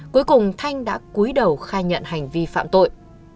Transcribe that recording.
cuối cùng thanh đã cuối đầu khai nhận hành vi phạm tội